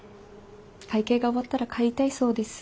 会計が終わったら帰りたいそうです。